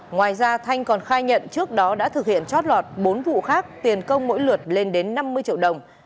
ngoài ra thanh còn khai nhận trước đó đã thực hiện chót lọt bốn vụ khác tiền công mỗi lượt lên đến năm mươi triệu đồng